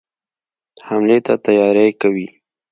حملې ته تیاری کوي.